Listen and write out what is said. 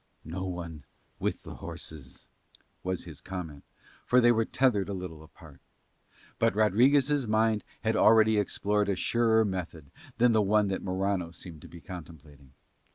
"No one with the horses," was his comment; for they were tethered a little apart. But Rodriguez' mind had already explored a surer method than the one that Morano seemed to be contemplating.